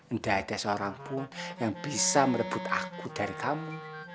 enggak ada seorangpun yang bisa merebut aku dari kamu